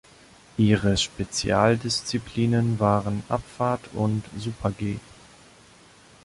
Ihre Spezialdisziplinen waren Abfahrt und Super-G.